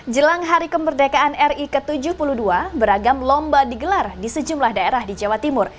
jelang hari kemerdekaan ri ke tujuh puluh dua beragam lomba digelar di sejumlah daerah di jawa timur